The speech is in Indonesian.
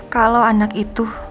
kalau anak itu